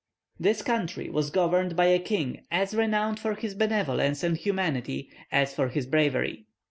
This country was governed by a king as renowned for his benevolence and humanity as for his bravery.